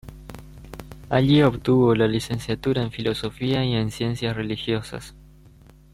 Allí obtuvo la Licenciatura en Filosofía y en Ciencias Religiosas.